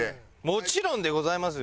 もちろんでございますよ。